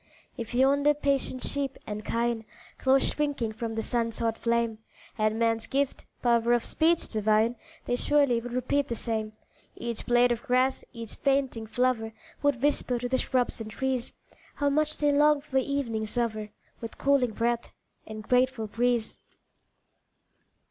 If yonder patient sheep and kine, Close shrinking from the sun's hot flame, Had man's gift "power of speech divine," They surely would repeat the same Each blade of grass, each fainting flower, Would whisper to the shrubs and trees, How much they longed for evening's hour, With cooling breath and grateful breeze.